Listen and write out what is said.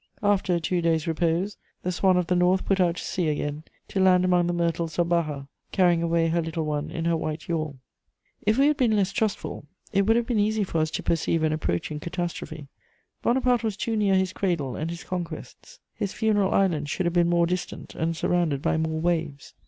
After a two days' repose, the Swan of the North put out to sea again, to land among the myrtles of Baja, carrying away her little one in her white yawl. [Sidenote: Madame Walewska.] If we had been less trustful, it would have been easy for us to perceive an approaching catastrophe. Bonaparte was too near his cradle and his conquests: his funeral island should have been more distant and surrounded by more waves.